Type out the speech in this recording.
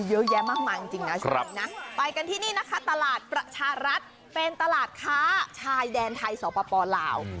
เยอะแยะมากมายจริงนะช่วงนี้นะไปกันที่นี่นะคะตลาดประชารัฐเป็นตลาดค้าชายแดนไทยสปลาว